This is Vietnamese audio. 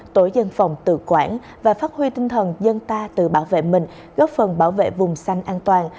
tổ dân phòng tự quản và phát huy tinh thần dân ta tự bảo vệ mình góp phần bảo vệ vùng xanh an toàn